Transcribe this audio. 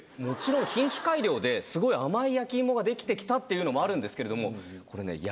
もちろん品種改良でスゴい甘い焼き芋が出来てきたっていうのもあるんですけれどもこれね。